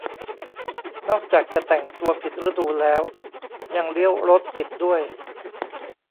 นอกจากจะแต่งตัวผิดฤดูแล้วยังเลี้ยวรถผิดด้วย